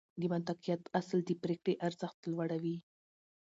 د منطقيت اصل د پرېکړې ارزښت لوړوي.